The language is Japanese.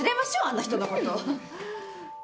あんな人のこと。